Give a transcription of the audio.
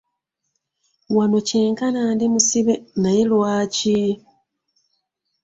Wano kyenkana ndi musibe, naye lwaki?